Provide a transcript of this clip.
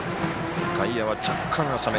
外野は若干浅め。